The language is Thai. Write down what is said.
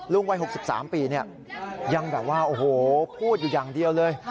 วัย๖๓ปียังแบบว่าโอ้โหพูดอยู่อย่างเดียวเลย